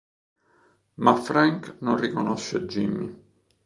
Ma Frank non riconosce Jimmy.